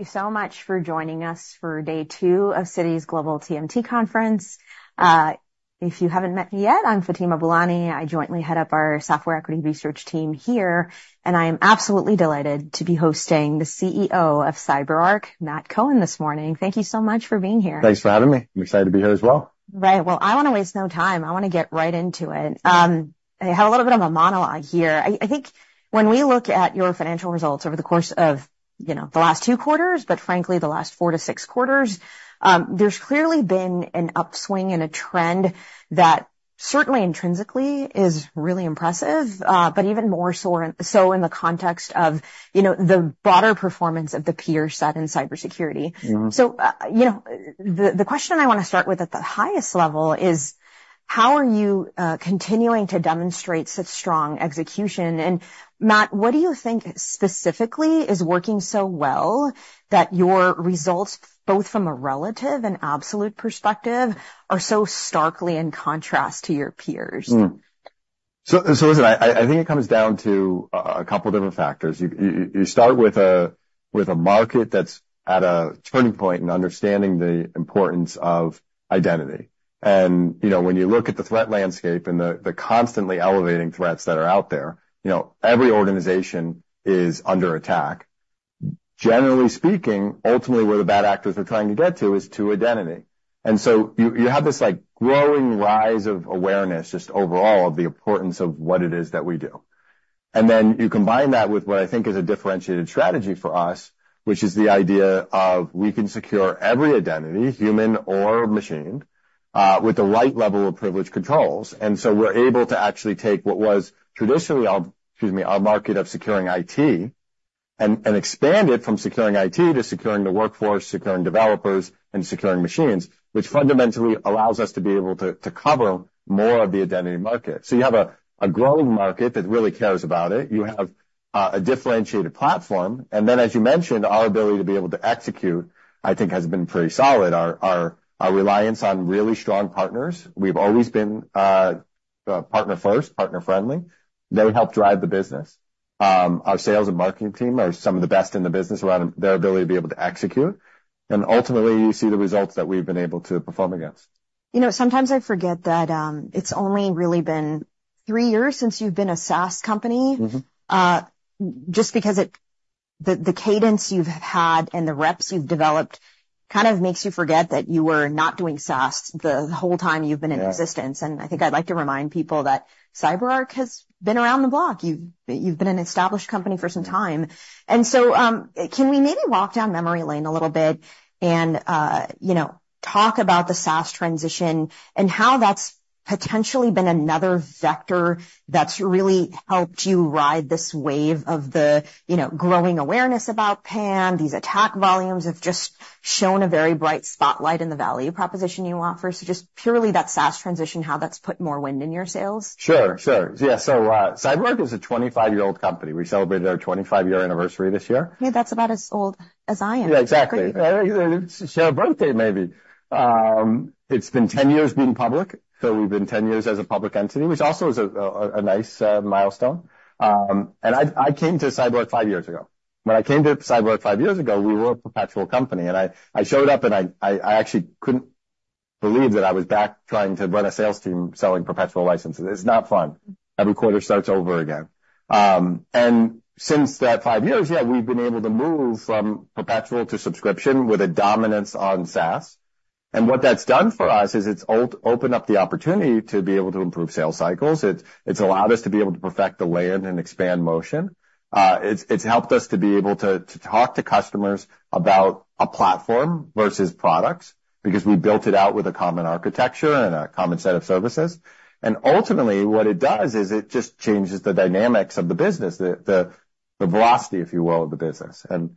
Thank you so much for joining us for day two of Citi's Global TMT Conference. If you haven't met me yet, I'm Fatima Boolani. I jointly head up our software equity research team here, and I am absolutely delighted to be hosting the CEO of CyberArk, Matt Cohen, this morning. Thank you so much for being here. Thanks for having me. I'm excited to be here as well. Right. Well, I wanna waste no time. I wanna get right into it. I had a little bit of a monologue here. I think when we look at your financial results over the course of, you know, the last two quarters, but frankly, the last four to six quarters, there's clearly been an upswing and a trend that certainly intrinsically is really impressive, but even more so in the context of, you know, the broader performance of the peer set in cybersecurity. Mm-hmm. You know, the question I wanna start with at the highest level is: How are you continuing to demonstrate such strong execution? And Matt, what do you think specifically is working so well that your results, both from a relative and absolute perspective, are so starkly in contrast to your peers? Listen, I think it comes down to a couple different factors. You start with a market that's at a turning point in understanding the importance of identity. You know, when you look at the threat landscape and the constantly elevating threats that are out there, you know, every organization is under attack. Generally speaking, ultimately, where the bad actors are trying to get to is to identity, and so you have this, like, growing rise of awareness, just overall, of the importance of what it is that we do, and then you combine that with what I think is a differentiated strategy for us, which is the idea of we can secure every identity, human or machine, with the right level of privilege controls. And so we're able to actually take what was traditionally our, excuse me, our market of securing IT and expand it from securing IT to securing the workforce, securing developers, and securing machines, which fundamentally allows us to be able to, to cover more of the identity market. So you have a growing market that really cares about it. You have a differentiated platform, and then, as you mentioned, our ability to be able to execute, I think, has been pretty solid. Our reliance on really strong partners, we've always been partner first, partner friendly. They help drive the business. Our sales and marketing team are some of the best in the business around their ability to be able to execute, and ultimately, you see the results that we've been able to perform against. You know, sometimes I forget that, it's only really been three years since you've been a SaaS company. Mm-hmm. Just because the cadence you've had and the reps you've developed kind of makes you forget that you were not doing SaaS the whole time you've been in existence. Yeah. I think I'd like to remind people that CyberArk has been around the block. You've been an established company for some time. Yeah. And so, can we maybe walk down memory lane a little bit and, you know, talk about the SaaS transition and how that's potentially been another vector that's really helped you ride this wave of the, you know, growing awareness about PAM? These attack volumes have just shown a very bright spotlight in the value proposition you offer. So just purely that SaaS transition, how that's put more wind in your sails? Sure, sure. Yeah, so, CyberArk is a 25-year-old company. We celebrated our25-year anniversary this year. Yeah, that's about as old as I am. Yeah, exactly. Great. Let's share a birthday, maybe. It's been 10 years being public, so we've been 10 years as a public entity, which also is a nice milestone. And I came to CyberArk five years ago. When I came to CyberArk five years ago, we were a perpetual company, and I showed up, and I actually couldn't believe that I was back trying to run a sales team selling perpetual licenses. It's not fun. Every quarter starts over again. And since that five years, yeah, we've been able to move from perpetual to subscription with a dominance on SaaS. And what that's done for us is it's opened up the opportunity to be able to improve sales cycles. It, it's allowed us to be able to perfect the land and expand motion. It's helped us to be able to talk to customers about a platform versus products because we built it out with a common architecture and a common set of services. And ultimately, what it does is it just changes the dynamics of the business, the velocity, if you will, of the business. And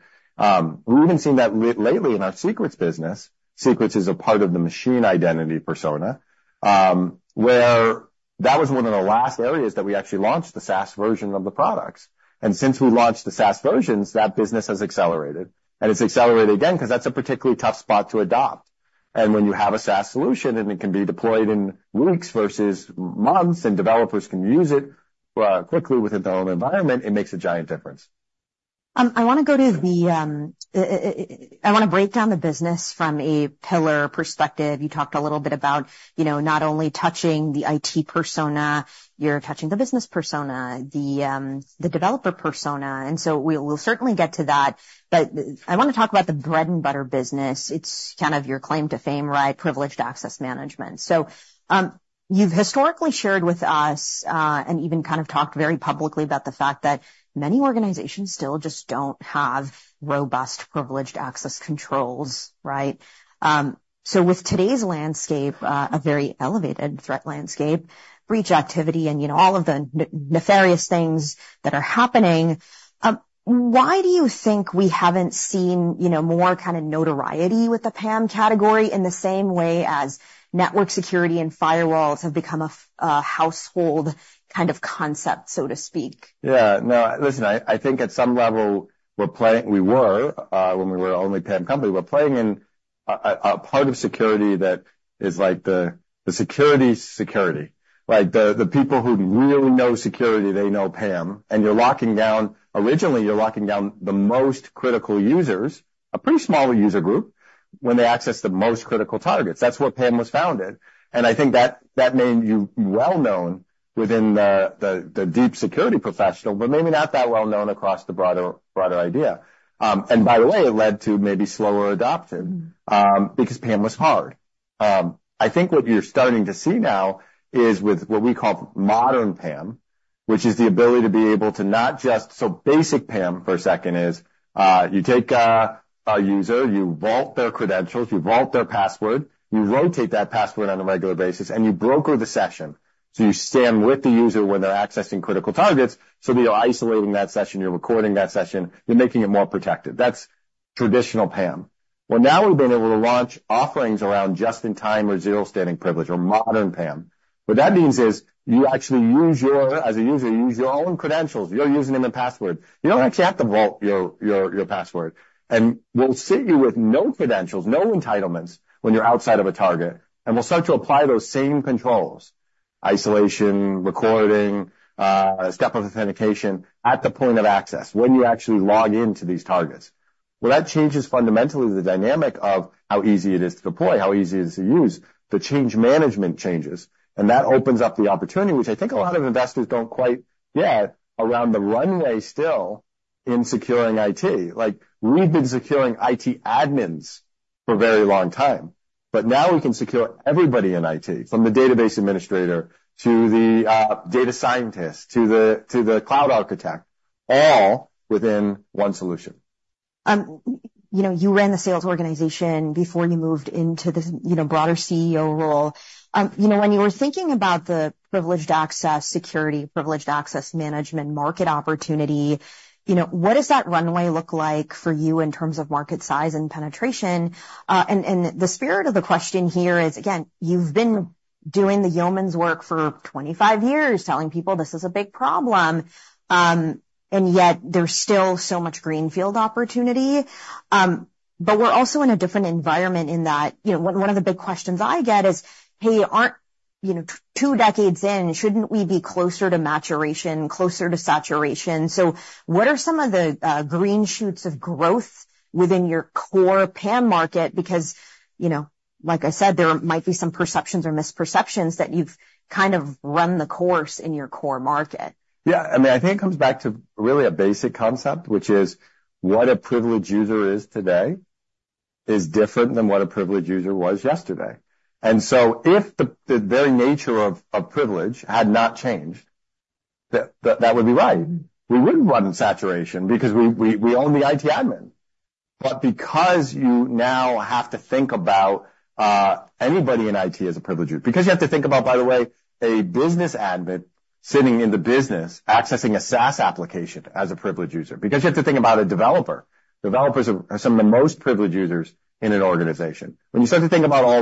we've even seen that lately in our secrets business. Secrets is a part of the machine identity persona, where that was one of the last areas that we actually launched the SaaS version of the products. And since we launched the SaaS versions, that business has accelerated, and it's accelerated again because that's a particularly tough spot to adopt. And when you have a SaaS solution, and it can be deployed in weeks versus months, and developers can use it quickly within their own environment, it makes a giant difference. I wanna go to the, I wanna break down the business from a pillar perspective. You talked a little bit about, you know, not only touching the IT persona, you're touching the business persona, the developer persona, and so we'll, we'll certainly get to that, but I wanna talk about the bread and butter business. It's kind of your claim to fame, right? Privileged access management. So, you've historically shared with us, and even kind of talked very publicly about the fact that many organizations still just don't have robust, privileged access controls, right? So with today's landscape, a very elevated threat landscape, breach activity, and, you know, all of the nefarious things that are happening, why do you think we haven't seen, you know, more kind of notoriety with the PAM category in the same way as network security and firewalls have become a household kind of concept, so to speak? Yeah. No, listen, I think at some level, we're playing. We were, when we were only a PAM company. We're playing in a part of security that is like the security. Like, the people who really know security, they know PAM, and you're locking down originally, you're locking down the most critical users, a pretty small user group, when they access the most critical targets. That's what PAM was founded. And I think that made you well-known within the deep security professional, but maybe not that well-known across the broader idea. And by the way, it led to maybe slower adoption, because PAM was hard. I think what you're starting to see now is with what we call modern PAM, which is the ability to be able to, so basic PAM, for a second, is you take a user, you vault their credentials, you vault their password, you rotate that password on a regular basis, and you broker the session. So you stay in with the user when they're accessing critical targets, so you're isolating that session, you're recording that session, you're making it more protected. That's traditional PAM. Well, now we've been able to launch offerings around just in time or zero standing privilege or modern PAM. What that means is you actually use your, as a user, you use your own credentials, your username, and password. You don't actually have to vault your password. We'll sit you with no credentials, no entitlements when you're outside of a target, and we'll start to apply those same controls, isolation, recording, step of authentication, at the point of access, when you actually log into these targets. That changes fundamentally the dynamic of how easy it is to deploy, how easy it is to use. The change management changes, and that opens up the opportunity, which I think a lot of investors don't quite get, around the runway still in securing IT. Like, we've been securing IT admins for a very long time, but now we can secure everybody in IT, from the database administrator, to the data scientist, to the cloud architect, all within one solution. You know, you ran the sales organization before you moved into this, you know, broader CEO role. You know, when you were thinking about the privileged access security, privileged access management market opportunity, you know, what does that runway look like for you in terms of market size and penetration? And the spirit of the question here is, again, you've been doing the yeoman's work for 25 years, telling people this is a big problem, and yet there's still so much greenfield opportunity. But we're also in a different environment in that, you know, one of the big questions I get is, "Hey, aren't, you know, two decades in, shouldn't we be closer to maturation, closer to saturation?" So what are some of the green shoots of growth within your core PAM market? Because, you know, like I said, there might be some perceptions or misperceptions that you've kind of run the course in your core market. Yeah. I mean, I think it comes back to really a basic concept, which is what a privileged user is today is different than what a privileged user was yesterday. And so if the very nature of privilege had not changed, that would be right. We wouldn't run saturation because we own the IT admin. But because you now have to think about anybody in IT as a privileged user, because you have to think about, by the way, a business admin sitting in the business, accessing a SaaS application as a privileged user, because you have to think about a developer. Developers are some of the most privileged users in an organization. When you start to think about all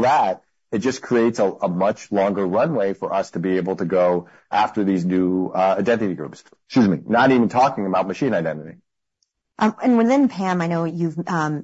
that, it just creates a much longer runway for us to be able to go after these new identity groups, excuse me, not even talking about machine identity. Within PAM, I know you've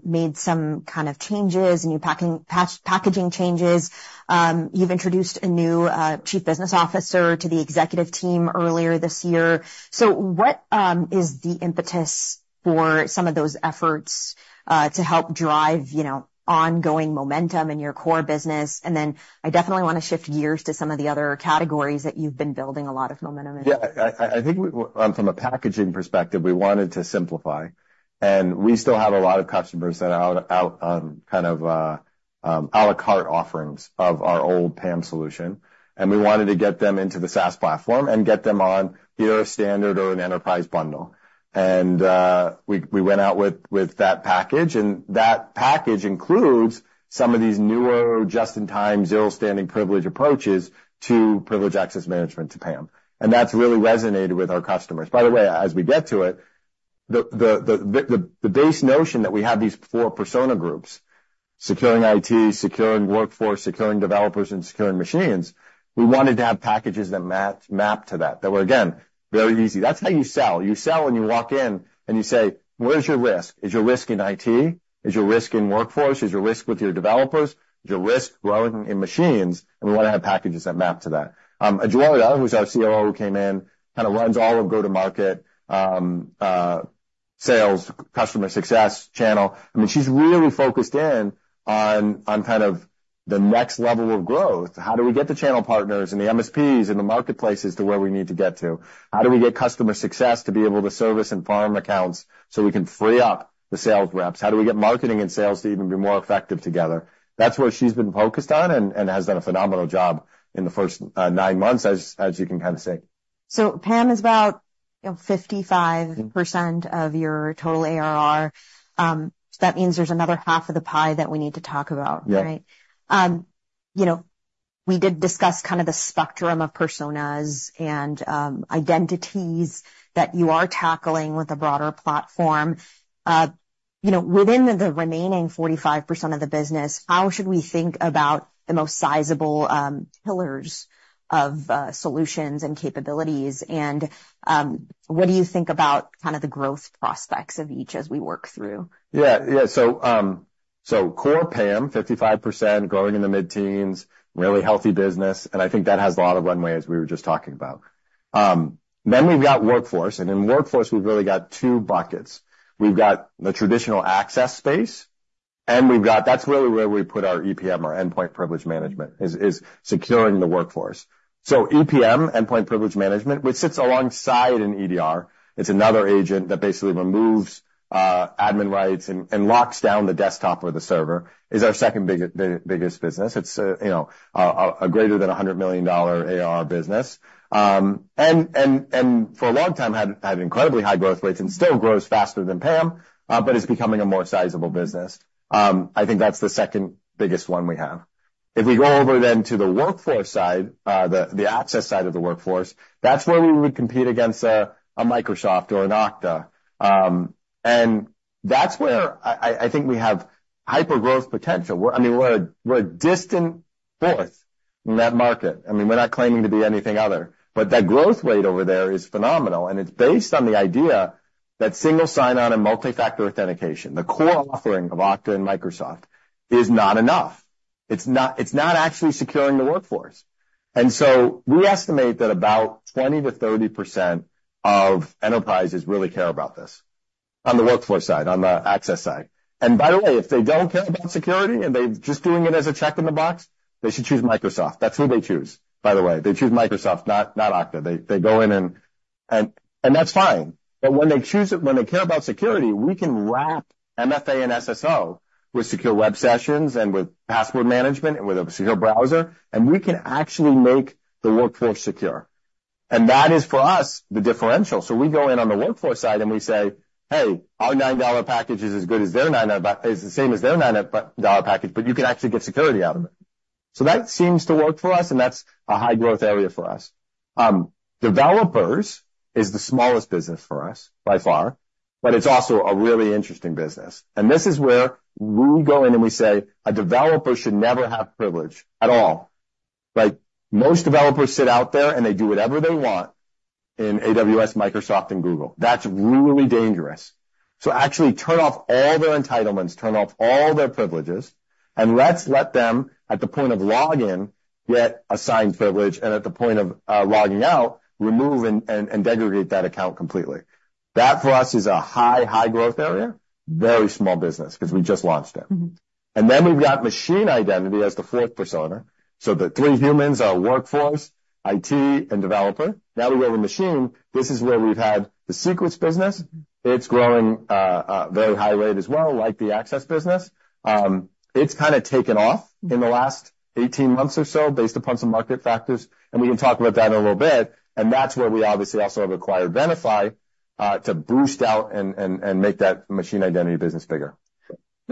made some kind of changes, new packaging changes. You've introduced a new Chief Business Officer to the executive team earlier this year. So what is the impetus for some of those efforts to help drive, you know, ongoing momentum in your core business? And then I definitely wanna shift gears to some of the other categories that you've been building a lot of momentum in. Yeah. I think we, from a packaging perspective, we wanted to simplify, and we still have a lot of customers that are out on kind of, à la carte offerings of our old PAM solution, and we wanted to get them into the SaaS platform and get them on either a standard or an enterprise bundle. And, we went out with that package, and that package includes some of these newer, just-in-time, zero standing privilege approaches to privileged access management, to PAM, and that's really resonated with our customers. By the way, as we get to it, the base notion that we have these four persona groups: securing IT, securing workforce, securing developers, and securing machines, we wanted to have packages that map to that, that were, again, very easy. That's how you sell. You sell when you walk in and you say: "Where's your risk? Is your risk in IT? Is your risk in workforce? Is your risk with your developers? Is your risk lying in machines?" And we wanna have packages that map to that. Adjoa Danso, who's our CRO, who came in, kind of runs all of go-to-market, sales, customer success channel, I mean, she's really focused in on kind of the next level of growth. How do we get the channel partners, and the MSPs, and the marketplaces to where we need to get to? How do we get customer success to be able to service and farm accounts, so we can free up the sales reps? How do we get marketing and sales to even be more effective together? That's where she's been focused on and has done a phenomenal job in the first nine months, as you can kind of see. PAM is about, you know, 55% of your total ARR. That means there's another half of the pie that we need to talk about, right? Yeah. You know, we did discuss kind of the spectrum of personas and identities that you are tackling with a broader platform. You know, within the remaining 45% of the business, how should we think about the most sizable pillars of solutions and capabilities, and what do you think about kind of the growth prospects of each as we work through? Yeah. Yeah, so, so core PAM, 55%, growing in the mid-teens, really healthy business, and I think that has a lot of runway, as we were just talking about. Then we've got workforce, and in workforce, we've really got two buckets. We've got the traditional access space, and we've got-- that's really where we put our EPM, our endpoint privilege management, is securing the workforce. So EPM, endpoint privilege management, which sits alongside an EDR, it's another agent that basically removes admin rights and locks down the desktop or the server, is our second biggest business. It's you know, a greater than a $100 million ARR business. And for a long time, had incredibly high growth rates and still grows faster than PAM, but it's becoming a more sizable business. I think that's the second biggest one we have. If we go over then to the workforce side, the access side of the workforce, that's where we would compete against a Microsoft or an Okta. And that's where I think we have hyper-growth potential. We're, I mean, we're a distant fourth in that market. I mean, we're not claiming to be anything other, but that growth rate over there is phenomenal, and it's based on the idea that single sign-on and multi-factor authentication, the core offering of Okta and Microsoft, is not enough. It's not, it's not actually securing the workforce. And so we estimate that about 20%-30% of enterprises really care about this, on the workforce side, on the access side. And by the way, if they don't care about security, and they're just doing it as a check in the box, they should choose Microsoft. That's who they choose, by the way. They choose Microsoft, not Okta. They go in and that's fine. But when they choose it, when they care about security, we can wrap MFA and SSO with secure web sessions and with password management and with a secure browser, and we can actually make the workforce secure. And that is, for us, the differential. So we go in on the workforce side, and we say, "Hey, our $9 package is as good as their $9 package, is the same as their $9 package, but you can actually get security out of it." So that seems to work for us, and that's a high-growth area for us. Developers is the smallest business for us, by far, but it's also a really interesting business. And this is where we go in, and we say, a developer should never have privilege at all. Like, most developers sit out there, and they do whatever they want in AWS, Microsoft, and Google. That's really dangerous. So actually turn off all their entitlements, turn off all their privileges, and let's let them, at the point of login, get assigned privilege, and at the point of logging out, remove and deactivate that account completely. That, for us, is a high, high growth area. Very small business, because we just launched it. Mm-hmm. And then we've got machine identity as the fourth persona. So the three humans are workforce, IT, and developer. Now we go to machine. This is where we've had the secrets business. Mm-hmm. It's growing at a very high rate as well, like the access business. It's kind of taken off- Mm. In the last 18 months or so based upon some market factors, and we can talk about that in a little bit. And that's where we obviously also have acquired Venafi to boost out and make that machine identity business bigger.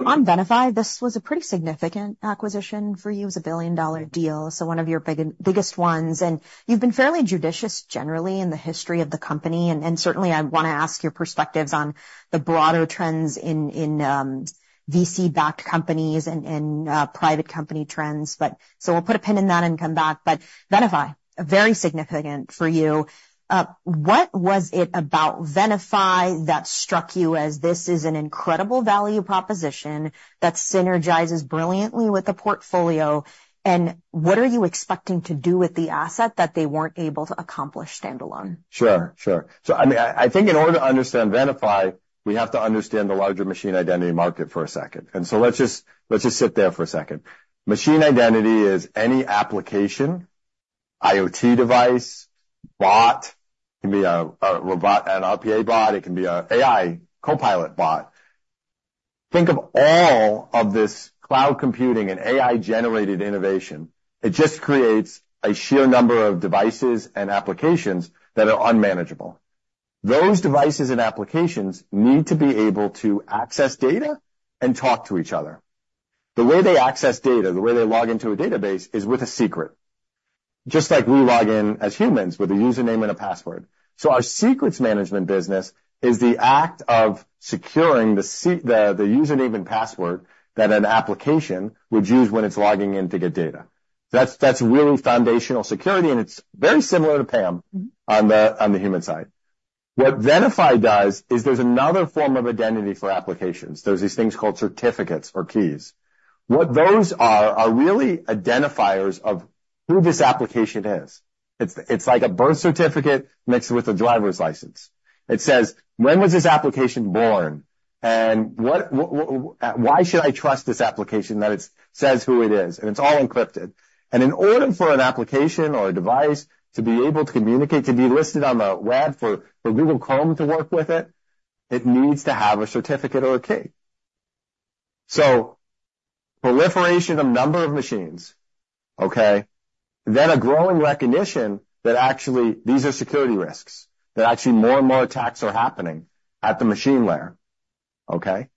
On Venafi, this was a pretty significant acquisition for you. It was a $1 billion deal, so one of your biggest ones, and you've been fairly judicious generally in the history of the company, and certainly I want to ask your perspectives on the broader trends in VC-backed companies and private company trends. But so we'll put a pin in that and come back. But Venafi, very significant for you. What was it about Venafi that struck you as this is an incredible value proposition that synergizes brilliantly with the portfolio, and what are you expecting to do with the asset that they weren't able to accomplish standalone? Sure, sure, so I mean, I think in order to understand Venafi, we have to understand the larger machine identity market for a second, and so let's just, let's just sit there for a second. Machine identity is any application, IoT device, bot. It can be a robot, an RPA bot, it can be an AI copilot bot. Think of all of this cloud computing and AI-generated innovation. It just creates a sheer number of devices and applications that are unmanageable. Those devices and applications need to be able to access data and talk to each other. The way they access data, the way they log into a database, is with a secret, just like we log in as humans with a username and a password. So our secrets management business is the act of securing the username and password that an application would use when it's logging in to get data. That's really foundational security, and it's very similar to PAM. Mm. on the human side. What Venafi does is there's another form of identity for applications. There's these things called certificates or keys. What those are, are really identifiers of who this application is. It's like a birth certificate mixed with a driver's license. It says, when was this application born, and why should I trust this application that it says who it is, and it's all encrypted, and in order for an application or a device to be able to communicate, to be listed on the web for Google Chrome to work with it, it needs to have a certificate or a key, so proliferation of number of machines, okay, then a growing recognition that actually these are security risks, that actually more and more attacks are happening at the machine layer, okay?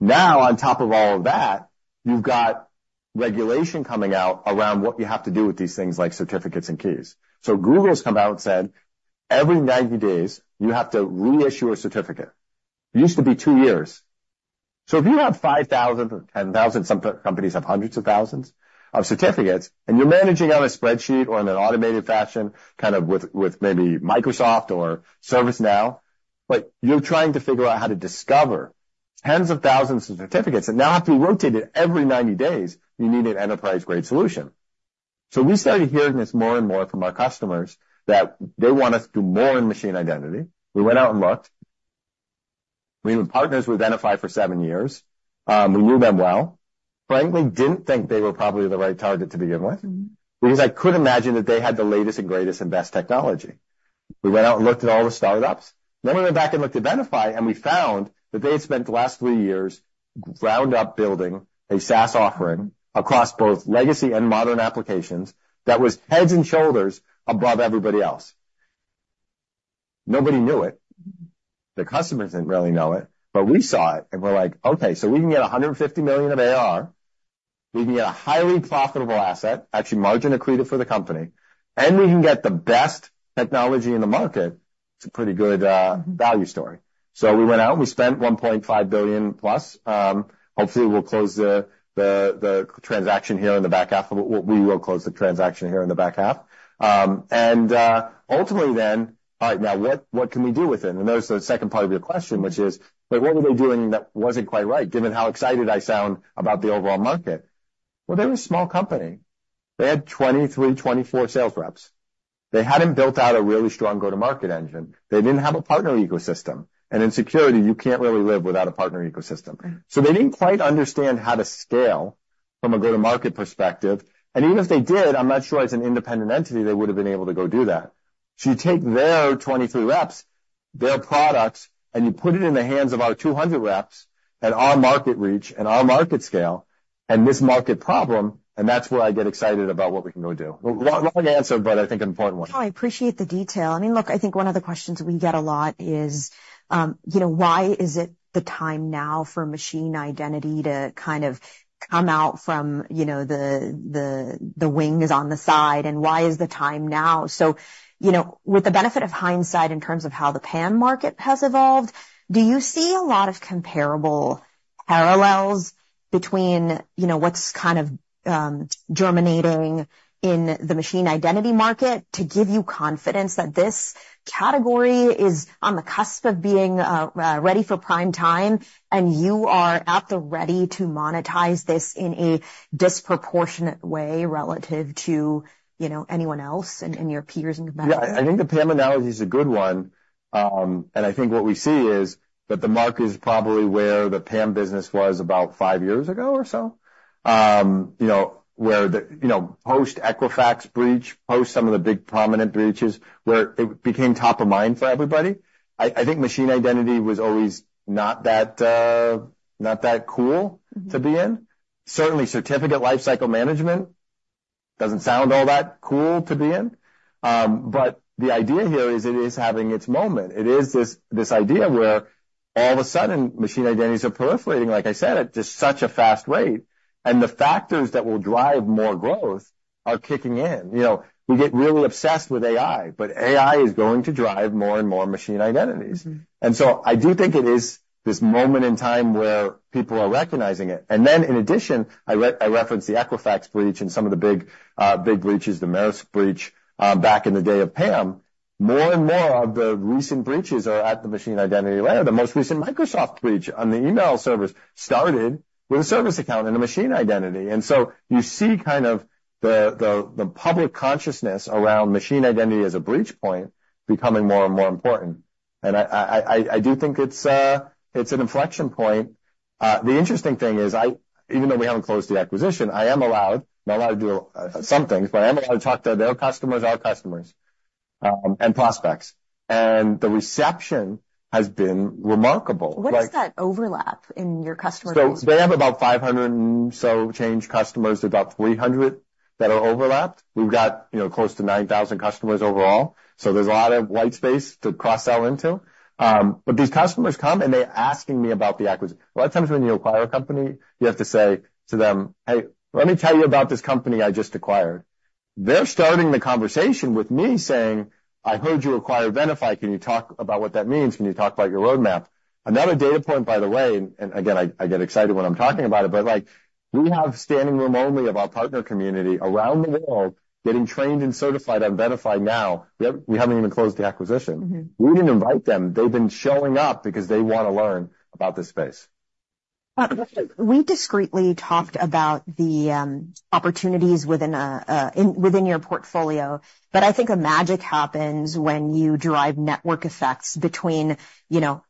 Now, on top of all of that, you've got regulation coming out around what you have to do with these things, like certificates and keys. So Google's come out and said, "Every 90 days, you have to reissue a certificate." It used to be two years. So if you have 5,000 or 10,000, some companies have hundreds of thousands, of certificates, and you're managing on a spreadsheet or in an automated fashion, kind of with, with maybe Microsoft or ServiceNow. But you're trying to figure out how to discover tens of thousands of certificates that now have to be rotated every 90 days, you need an enterprise-grade solution. So we started hearing this more and more from our customers that they want us to do more in machine identity. We went out and looked. We were partners with Venafi for seven years. We knew them well. Frankly, didn't think they were probably the right target to begin with, because I could imagine that they had the latest and greatest and best technology. We went out and looked at all the startups, then we went back and looked at Venafi, and we found that they had spent the last three years ground up building a SaaS offering across both legacy and modern applications that was heads and shoulders above everybody else. Nobody knew it. The customers didn't really know it, but we saw it, and we're like: Okay, so we can get 150 million of ARR. We can get a highly profitable asset, actually margin accretive for the company, and we can get the best technology in the market. It's a pretty good value story. So we went out, and we spent $1.5 billion+. Hopefully, we'll close the transaction here in the back half. Well, we will close the transaction here in the back half. And ultimately then, all right, now, what can we do with it? And there's the second part of your question, which is, but what were they doing that wasn't quite right, given how excited I sound about the overall market? Well, they were a small company. They had 23, 24 sales reps. They hadn't built out a really strong go-to-market engine. They didn't have a partner ecosystem, and in security, you can't really live without a partner ecosystem. Mm. So they didn't quite understand how to scale from a go-to-market perspective, and even if they did, I'm not sure as an independent entity, they would've been able to go do that. So you take their 23 reps, their products, and you put it in the hands of our 200 reps and our market reach and our market scale, and this market problem, and that's where I get excited about what we can go do. Long, long answer, but I think an important one. No, I appreciate the detail. I mean, look, I think one of the questions we get a lot is, you know, why is it the time now for machine identity to kind of come out from, you know, the wings on the side, and why is the time now? So, you know, with the benefit of hindsight in terms of how the PAM market has evolved, do you see a lot of comparable parallels between, you know, what's kind of germinating in the machine identity market to give you confidence that this category is on the cusp of being ready for prime time, and you are at the ready to monetize this in a disproportionate way relative to, you know, anyone else and your peers and competitors? Yeah, I think the PAM analogy is a good one, and I think what we see is that the market is probably where the PAM business was about five years ago or so. You know, where... You know, post-Equifax breach, post some of the big prominent breaches, where it became top of mind for everybody. I think machine identity was always not that, not that cool to be in. Mm-hmm. Certainly, certificate lifecycle management doesn't sound all that cool to be in. But the idea here is it is having its moment. It is this, this idea where all of a sudden, machine identities are proliferating, like I said, at just such a fast rate, and the factors that will drive more growth are kicking in. You know, we get really obsessed with AI, but AI is going to drive more and more machine identities. Mm-hmm. And so I do think it is this moment in time where people are recognizing it. And then, in addition, I referenced the Equifax breach and some of the big, big breaches, the Marriott breach, back in the day of PAM. More and more of the recent breaches are at the machine identity layer. The most recent Microsoft breach on the email service started with a service account and a machine identity. And so you see kind of the public consciousness around machine identity as a breach point becoming more and more important. And I do think it's an inflection point. The interesting thing is, even though we haven't closed the acquisition, I am allowed, not allowed to do some things, but I am allowed to talk to their customers, our customers, and prospects, and the reception has been remarkable. What is that overlap in your customer base? They have about 500 and some change customers, about three hundred that are overlapped. We've got, you know, close to 9,000 customers overall, so there's a lot of white space to cross-sell into. But these customers come, and they're asking me about the acquisition. A lot of times when you acquire a company, you have to say to them, "Hey, let me tell you about this company I just acquired." They're starting the conversation with me, saying, "I heard you acquired Venafi. Can you talk about what that means? Can you talk about your roadmap?" Another data point, by the way, and again, I get excited when I'm talking about it, but, like, we have standing-room only of our partner community around the world getting trained and certified on Venafi now. We haven't even closed the acquisition. Mm-hmm. We didn't invite them. They've been showing up because they wanna learn about this space. We discreetly talked about the opportunities within your portfolio, but I think a magic happens when you derive network effects between, you know,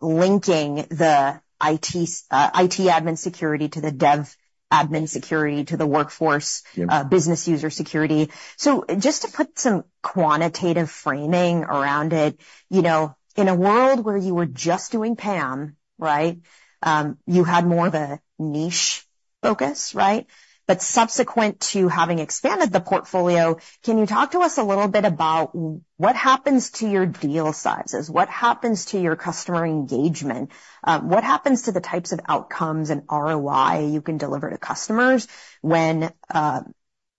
linking the IT admin security to the dev admin security, to the workforce- Yep. business user security. So just to put some quantitative framing around it, you know, in a world where you were just doing PAM, right, you had more of a niche focus, right? But subsequent to having expanded the portfolio, can you talk to us a little bit about what happens to your deal sizes? What happens to your customer engagement? What happens to the types of outcomes and ROI you can deliver to customers when,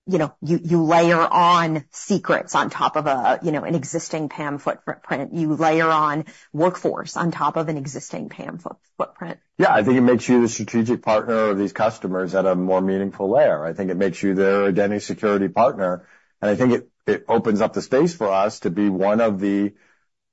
you know, you layer on secrets on top of a, you know, an existing PAM footprint, you layer on workforce on top of an existing PAM footprint? Yeah. I think it makes you the strategic partner of these customers at a more meaningful layer. I think it makes you their identity security partner, and I think it, it opens up the space for us to be one of the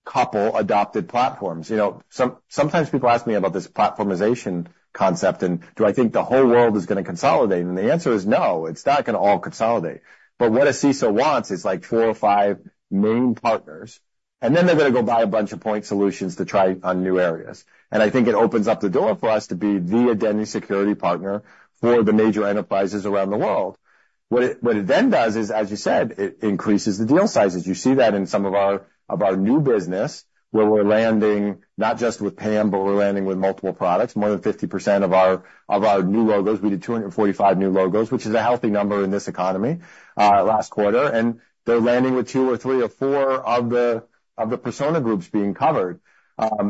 couple adopted platforms. You know, sometimes people ask me about this platformization concept, and do I think the whole world is going to consolidate? And the answer is no, it's not going to all consolidate. But what a CISO wants is, like, four or five main partners, and then they're going to go buy a bunch of point solutions to try on new areas. And I think it opens up the door for us to be the identity security partner for the major enterprises around the world. What it, what it then does is, as you said, it increases the deal sizes. You see that in some of our new business, where we're landing not just with PAM, but we're landing with multiple products. More than 50% of our new logos, we did 245 new logos, which is a healthy number in this economy, last quarter, and they're landing with two or three or four of the persona groups being covered.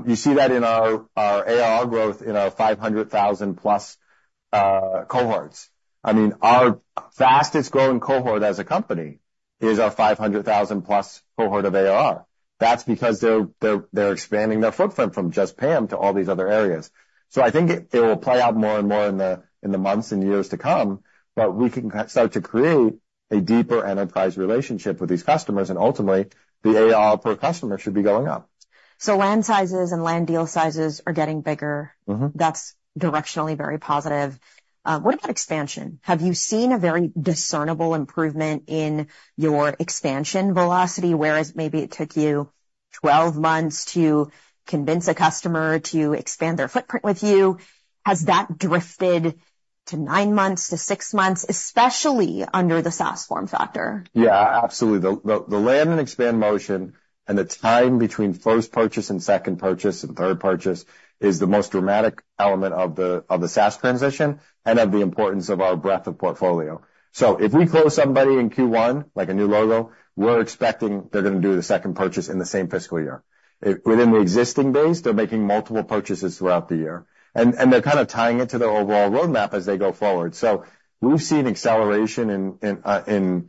You see that in our ARR growth in our $500,000+ cohorts. I mean, our fastest-growing cohort as a company is our $500,000+ cohort of ARR. That's because they're expanding their footprint from just PAM to all these other areas. So I think it will play out more and more in the months and years to come, but we can start to create a deeper enterprise relationship with these customers, and ultimately, the ARR per customer should be going up. So land sizes and land deal sizes are getting bigger. Mm-hmm. That's directionally very positive. What about expansion? Have you seen a very discernible improvement in your expansion velocity, whereas maybe it took you 12 months to convince a customer to expand their footprint with you, has that drifted to nine months, to six months, especially under the SaaS form factor? Yeah, absolutely. The land and expand motion and the time between first purchase and second purchase and third purchase is the most dramatic element of the SaaS transition and of the importance of our breadth of portfolio. So if we close somebody in Q1, like a new logo, we're expecting they're going to do the second purchase in the same fiscal year. If within the existing base, they're making multiple purchases throughout the year, and they're kind of tying it to their overall roadmap as they go forward. So we've seen acceleration in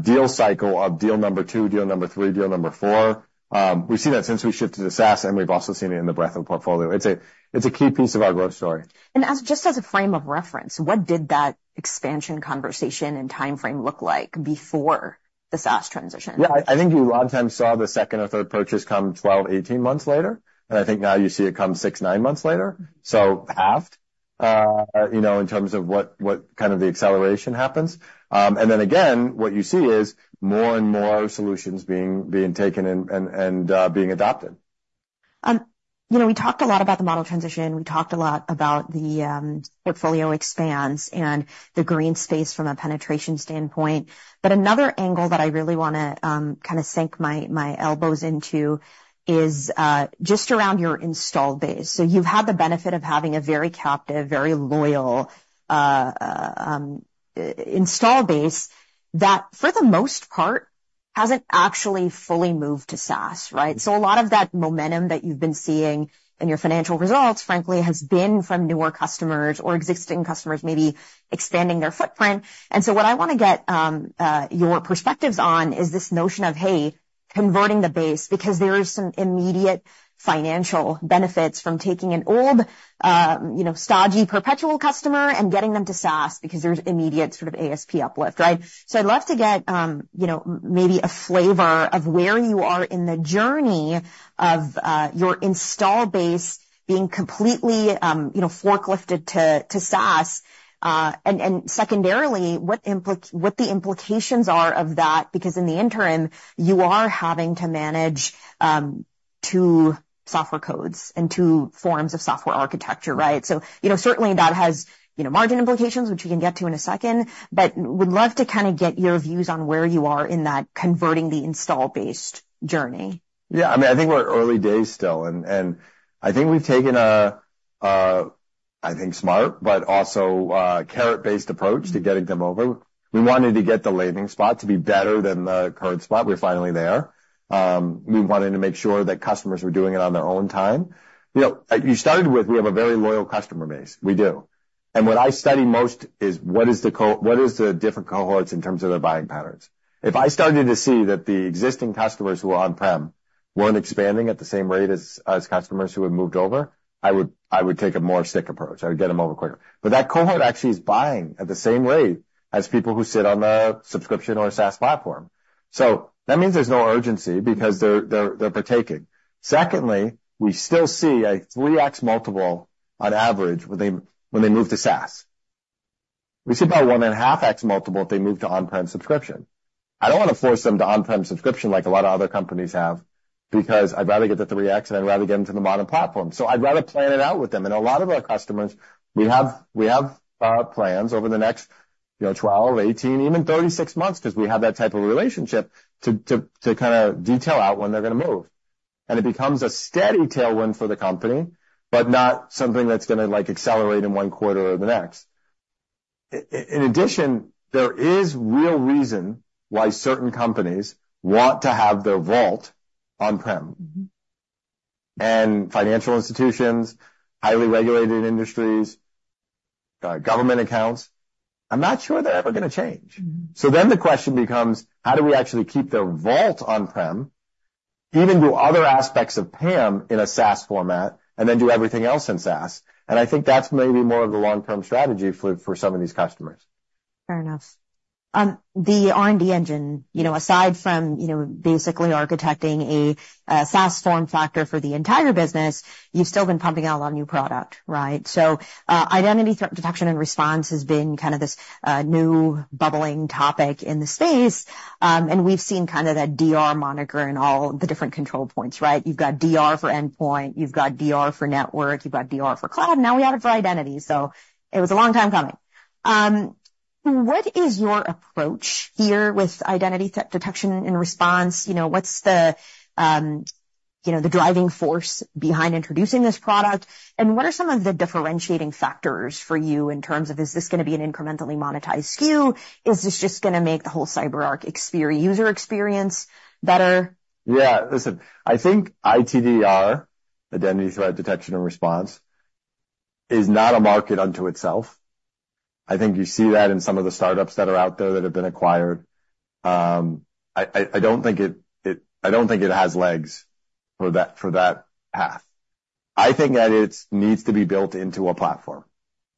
deal cycle of deal number two, deal number three, deal number four. We've seen that since we shifted to SaaS, and we've also seen it in the breadth of the portfolio. It's a key piece of our growth story. As, just as a frame of reference, what did that expansion conversation and time frame look like before the SaaS transition? Yeah, I think you a lot of times saw the second or third purchase come 12, 18 months later, and I think now you see it come six, nine months later. So half, you know, in terms of what kind of the acceleration happens. And then again, what you see is more and more solutions being taken and being adopted. You know, we talked a lot about the model transition. We talked a lot about the portfolio expands and the green space from a penetration standpoint. But another angle that I really want to kind of sink my elbows into is just around your install base. So you've had the benefit of having a very captive, very loyal install base that, for the most part, hasn't actually fully moved to SaaS, right? So a lot of that momentum that you've been seeing in your financial results, frankly, has been from newer customers or existing customers maybe expanding their footprint. And so what I want to get your perspectives on is this notion of, hey, converting the base, because there is some immediate financial benefits from taking an old, you know, stodgy, perpetual customer and getting them to SaaS because there's immediate sort of ASP uplift, right? So I'd love to get, you know, maybe a flavor of where you are in the journey of your install base being completely, you know, forklifted to SaaS. And secondarily, what the implications are of that, because in the interim, you are having to manage two software codes and two forms of software architecture, right? So, you know, certainly that has, you know, margin implications, which we can get to in a second, but would love to kind of get your views on where you are in that converting the install-based journey. Yeah, I mean, I think we're early days still, and I think we've taken a smart but also carrot-based approach to getting them over. We wanted to get the landing spot to be better than the current spot. We're finally there. We wanted to make sure that customers were doing it on their own time. You know, you started with, we have a very loyal customer base. We do. And what I study most is what is the different cohorts in terms of their buying patterns? If I started to see that the existing customers who are on-prem weren't expanding at the same rate as customers who have moved over, I would take a more stick approach. I would get them over quicker. But that cohort actually is buying at the same rate as people who sit on the subscription or SaaS platform. So that means there's no urgency because they're partaking. Secondly, we still see a 3x multiple on average when they move to SaaS. We see about 1.5x multiple if they move to on-prem subscription. I don't want to force them to on-prem subscription like a lot of other companies have, because I'd rather get the 3x, and I'd rather get them to the modern platform. So I'd rather plan it out with them. And a lot of our customers, we have plans over the next, you know, 12, 18, even 36 months, because we have that type of relationship to kind of detail out when they're going to move. It becomes a steady tailwind for the company, but not something that's going to, like, accelerate in one quarter or the next. In addition, there is real reason why certain companies want to have their vault on-prem. Mm-hmm. Financial institutions, highly regulated industries, government accounts. I'm not sure they're ever gonna change. Mm-hmm. Then the question becomes: How do we actually keep their vault on-prem, even do other aspects of PAM in a SaaS format, and then do everything else in SaaS? I think that's maybe more of the long-term strategy for some of these customers.... Fair enough. The R&D engine, you know, aside from, you know, basically architecting a SaaS form factor for the entire business, you've still been pumping out a lot of new product, right? So, identity threat detection and response has been kind of this new bubbling topic in the space, and we've seen kind of that DR moniker in all the different control points, right? You've got DR for endpoint, you've got DR for network, you've got DR for cloud, now we have it for identity. So it was a long time coming. What is your approach here with identity threat detection and response? You know, what's the, you know, the driving force behind introducing this product? And what are some of the differentiating factors for you in terms of, is this gonna be an incrementally monetized SKU? Is this just gonna make the whole CyberArk user experience better? Yeah. Listen, I think ITDR, identity threat detection and response, is not a market unto itself. I think you see that in some of the startups that are out there that have been acquired. I don't think it has legs for that path. I think that it needs to be built into a platform.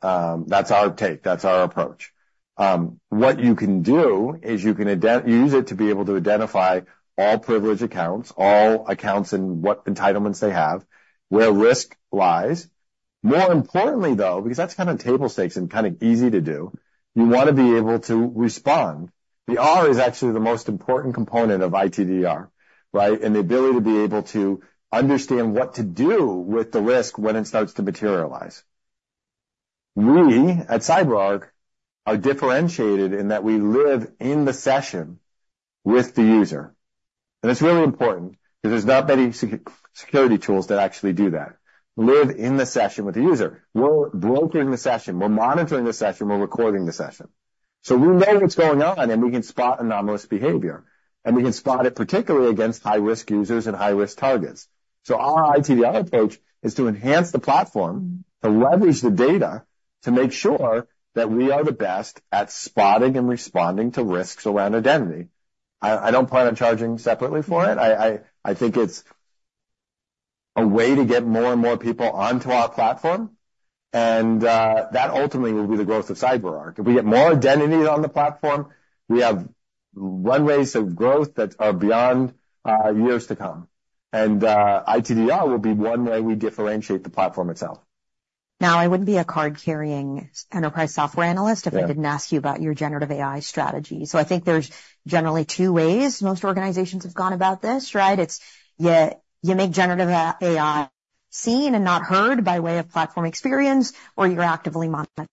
That's our take, that's our approach. What you can do is you can use it to be able to identify all privileged accounts, all accounts and what entitlements they have, where risk lies. More importantly, though, because that's kind of table stakes and kind of easy to do, you wanna be able to respond. The R is actually the most important component of ITDR, right? The ability to be able to understand what to do with the risk when it starts to materialize. We at CyberArk are differentiated in that we live in the session with the user, and it's really important, because there's not many security tools that actually do that, live in the session with the user. We're brokering the session, we're monitoring the session, we're recording the session. We know what's going on, and we can spot anomalous behavior, and we can spot it, particularly against high-risk users and high-risk targets. Our ITDR approach is to enhance the platform, to leverage the data, to make sure that we are the best at spotting and responding to risks around identity. I don't plan on charging separately for it. I think it's a way to get more and more people onto our platform, and that ultimately will be the growth of CyberArk. If we get more identity on the platform, we have runways of growth that are beyond years to come. ITDR will be one way we differentiate the platform itself. Now, I wouldn't be a card-carrying enterprise software analyst- Yeah If I didn't ask you about your generative AI strategy. So I think there's generally two ways most organizations have gone about this, right? It's you, you make generative AI seen and not heard by way of platform experience, or you're actively monitoring...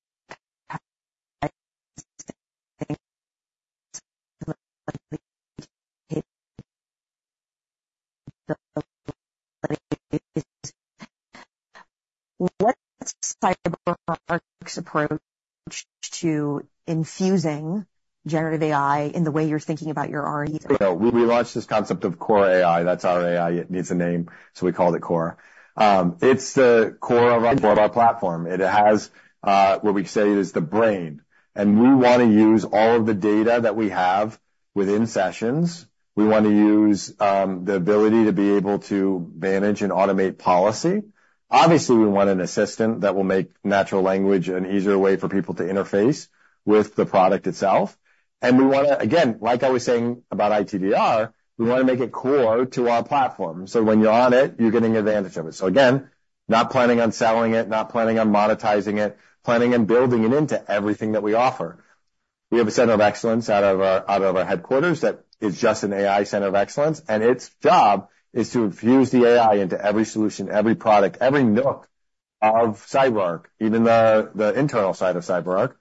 What's CyberArk's approach to infusing generative AI in the way you're thinking about your R&D? We launched this concept of Cora AI. That's our AI. It needs a name, so we called it Cora. It's the core of our platform. It has what we say is the brain, and we wanna use all of the data that we have within sessions. We want to use the ability to be able to manage and automate policy. Obviously, we want an assistant that will make natural language an easier way for people to interface with the product itself. And we wanna, again, like I was saying about ITDR, we wanna make it core to our platform, so when you're on it, you're getting the advantage of it. So again, not planning on selling it, not planning on monetizing it, planning on building it into everything that we offer. We have a center of excellence out of our headquarters that is just an AI center of excellence, and its job is to infuse the AI into every solution, every product, every nook of CyberArk, even the internal side of CyberArk.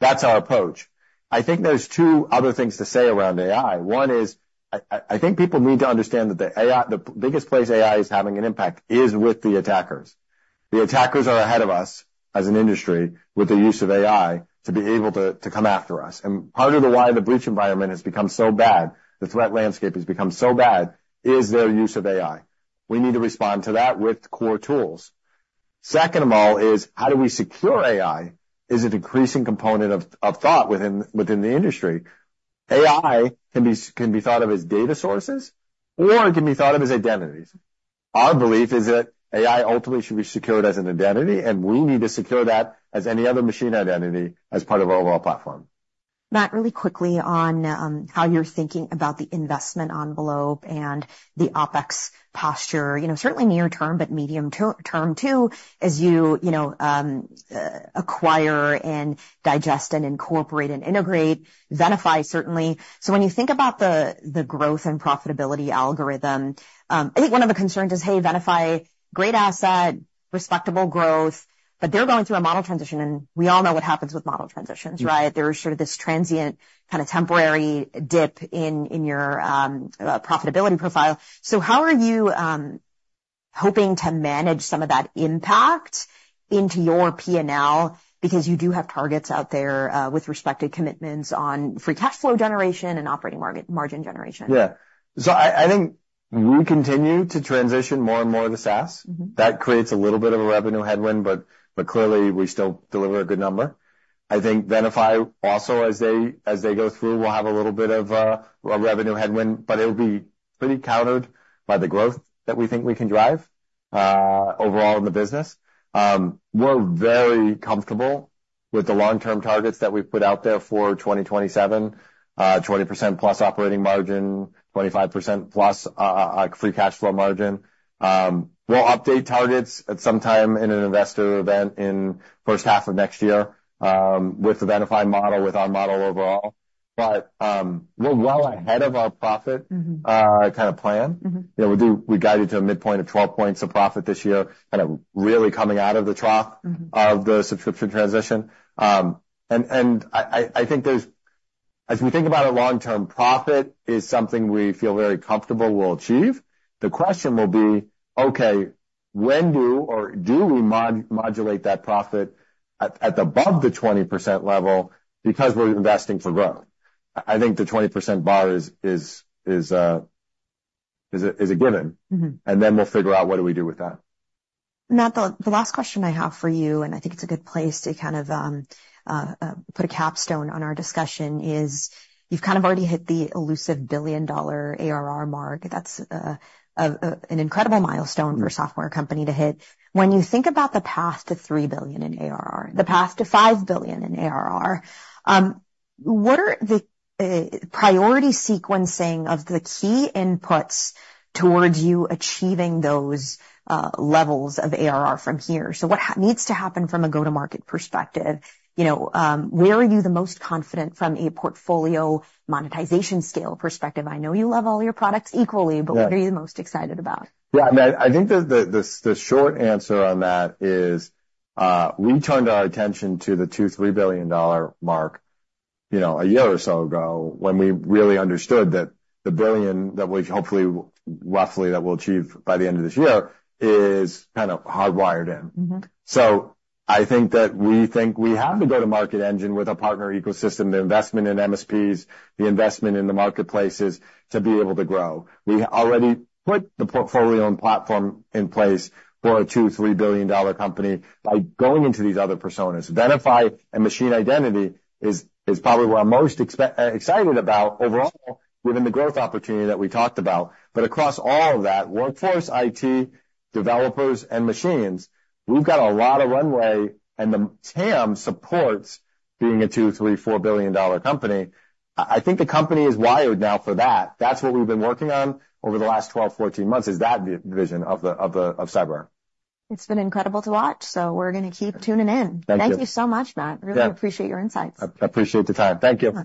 That's our approach. I think there's two other things to say around AI. One is, I think people need to understand that the AI... the biggest place AI is having an impact is with the attackers. The attackers are ahead of us as an industry with the use of AI to be able to come after us, and part of the why the breach environment has become so bad, the threat landscape has become so bad, is their use of AI. We need to respond to that with core tools. Second of all is, how do we secure AI? Is it a decreasing component of thought within the industry? AI can be thought of as data sources or it can be thought of as identities. Our belief is that AI ultimately should be secured as an identity, and we need to secure that as any other machine identity, as part of our overall platform. Matt, really quickly on how you're thinking about the investment envelope and the OpEx posture, you know, certainly near term, but medium term too, as you know, acquire and digest and incorporate and integrate Venafi, certainly. So when you think about the growth and profitability algorithm, I think one of the concerns is, hey, Venafi, great asset, respectable growth, but they're going through a model transition, and we all know what happens with model transitions, right? Mm-hmm. There's sort of this transient, kind of temporary dip in your profitability profile. So how are you hoping to manage some of that impact into your P&L? Because you do have targets out there with respective commitments on free cash flow generation and operating margin generation. Yeah. So I think we continue to transition more and more of the SaaS. Mm-hmm. That creates a little bit of a revenue headwind, but clearly, we still deliver a good number. I think Venafi also, as they go through, will have a little bit of a revenue headwind, but it'll be pretty countered by the growth that we think we can drive overall in the business. We're very comfortable with the long-term targets that we've put out there for 2027, 20%+ operating margin, 25%+ free cash flow margin. We'll update targets at some time in an investor event in first half of next year, with the Venafi model, with our model overall. But, we're well ahead of our profit- Mm-hmm. kind of plan. Mm-hmm. You know, we guided to a midpoint of 12 points of profit this year, kind of really coming out of the trough- Mm-hmm of the subscription transition. And I think there's... As we think about it long term, profit is something we feel very comfortable we'll achieve. The question will be: Okay, when do we modulate that profit at above the 20% level because we're investing for growth? I think the 20% bar is a given. Mm-hmm. And then we'll figure out what do we do with that. Matt, the last question I have for you, and I think it's a good place to kind of put a capstone on our discussion, is you've kind of already hit the elusive $1 billion ARR mark. That's an incredible milestone for a software company to hit. When you think about the path to $3 billion in ARR, the path to $5 billion in ARR, what are the priority sequencing of the key inputs towards you achieving those levels of ARR from here? So what needs to happen from a go-to-market perspective? You know, where are you the most confident from a portfolio monetization scale perspective? I know you love all your products equally- Yeah. -but what are you the most excited about? Yeah, I mean, I think the short answer on that is, we turned our attention to the $2 billion-$3 billion mark, you know, a year or so ago, when we really understood that the $1 billion that we've hopefully, roughly, that we'll achieve by the end of this year is kind of hardwired in. Mm-hmm. So I think that we think we have a go-to-market engine with our partner ecosystem, the investment in MSPs, the investment in the marketplaces, to be able to grow. We already put the portfolio and platform in place for a two-, three-billion-dollar company by going into these other personas. Venafi and machine identity is probably what I'm most excited about overall, within the growth opportunity that we talked about. But across all of that, workforce, IT, developers, and machines, we've got a lot of runway, and the TAM supports being a two-, three-, four-billion-dollar company. I think the company is wired now for that. That's what we've been working on over the last 12, 14 months, is that vision of Cyber. It's been incredible to watch, so we're gonna keep tuning in. Thank you. Thank you so much, Matt. Yeah. Really appreciate your insights. I appreciate the time. Thank you.